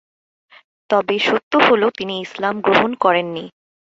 তবে সত্য হলো তিনি ইসলাম গ্রহণ করেননি।